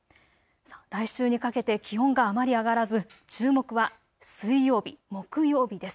来週にかけて気温があまり上がらず、注目は水曜日、木曜日です。